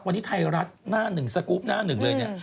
วันนี้ไทยรัฐหน้าหนึ่งสกรูปหน้าหนึ่งเลยเนี่ย